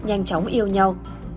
nhanh chóng yêu nhau